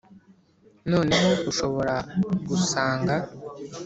noneho ushobora gusanga